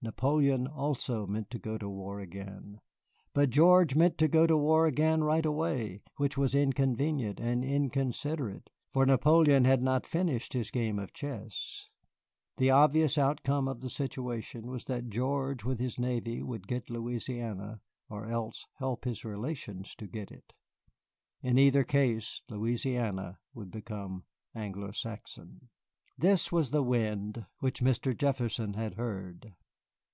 Napoleon also meant to go to war again. But George meant to go to war again right away, which was inconvenient and inconsiderate, for Napoleon had not finished his game of chess. The obvious outcome of the situation was that George with his Navy would get Louisiana, or else help his relations to get it. In either case Louisiana would become Anglo Saxon. This was the wind which Mr. Jefferson had heard.